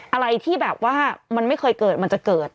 อะไรที่แบบว่ามันไม่เคยเกิดมันจะเกิด